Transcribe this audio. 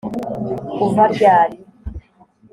Uva ryari